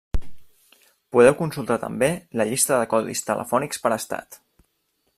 Podeu consultar també la llista de codis telefònics per Estat.